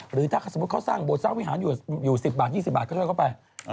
หรือถ้าสมมุติเขาสร้างโบสสร้างวิหารอยู่๑๐บาท๒๐บาทก็ช่วยเข้าไป